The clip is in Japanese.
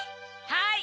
はい！